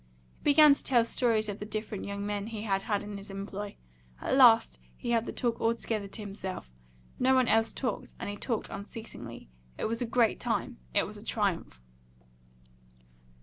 He began to tell stories of the different young men he had had in his employ. At last he had the talk altogether to himself; no one else talked, and he talked unceasingly. It was a great time; it was a triumph.